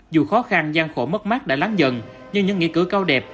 dù khó khăn gian khổ mất mát đã láng dần nhưng những nghĩa cử cao đẹp